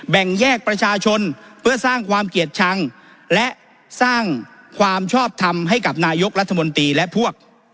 แบ่งแยกประชาชนเพื่อสร้างความเกลียดชังและสร้างความชอบทำให้กับนายกรัฐมนตรีและพวก